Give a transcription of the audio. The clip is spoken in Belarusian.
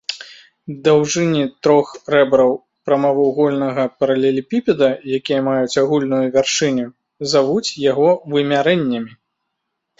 Даўжыні трох рэбраў прамавугольнага паралелепіпеда, якія маюць агульную вяршыню, завуць яго вымярэннямі.